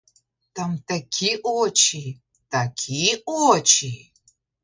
Там такі очі, такі очі!